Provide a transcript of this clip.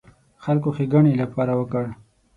خلکو ښېګڼې لپاره وکړ.